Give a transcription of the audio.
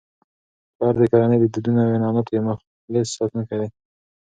پلار د کورنی د دودونو او عنعناتو یو مخلص ساتونکی دی.